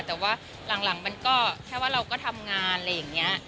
แต่ว่าหลังมันก็แค่ว่าเราก็ทำงานอะไรอย่างนี้